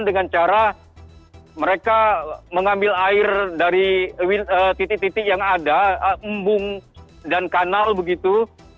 dengan cara mereka mengambil air dari titik titik yang ada embung dan kanal begitu